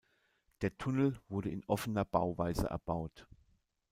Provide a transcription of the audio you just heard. Der Tunnel wurde in offener Bauweise erbaut.